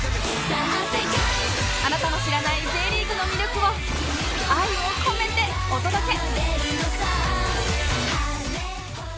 あなたの知らない Ｊ リーグの魅力を愛を込めてお届け！